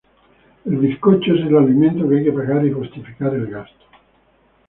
El bizcocho es el alimento que hay que pagar y justificar el gasto.